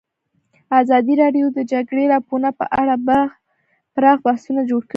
ازادي راډیو د د جګړې راپورونه په اړه پراخ بحثونه جوړ کړي.